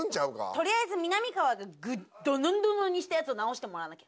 とりあえずみなみかわがドロドロにしたやつを直してもらわなきゃ。